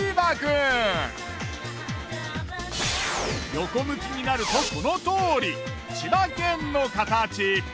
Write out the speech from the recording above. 横向きになるとこのとおり千葉県の形。